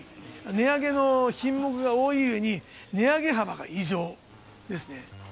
値上げの品目が多いうえに、値上げ幅が異常ですね。